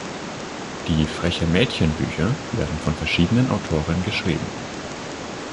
Die Freche-Mädchen-Bücher werden von verschiedenen Autoren geschrieben.